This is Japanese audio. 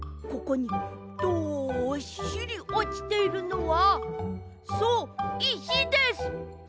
ここにどっしりおちているのはそういしです！